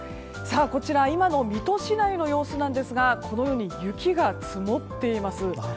こちら今の水戸市内の様子なんですがこのように雪が積もっています。